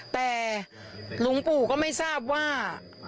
แต่หลวงปู่ก็ไม่ทราบว่า